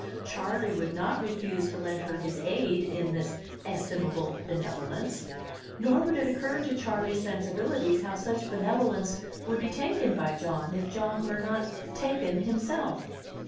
Charley would not refuse to lend her his aid in this estimable benevolence; nor would it occur to Charley's sensibilities how such benevolence would be taken by John if John were not "taken" himself.